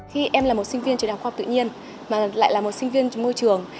khi em là một sinh viên trường đại học khoa học tự nhiên mà lại là một sinh viên môi trường